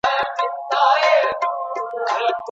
غوره منصب یوازي مستحقو ته نه سي ښودل کېدلای.